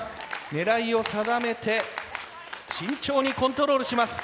狙いを定めて慎重にコントロールします。